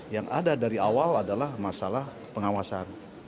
yang ada dari awal adalah masalah pengawasan